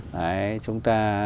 đấy chúng ta